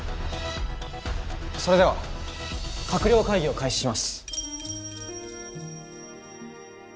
それでは閣僚会議を開始します。